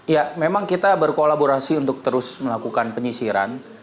ya memang kita berkolaborasi untuk terus melakukan penyisiran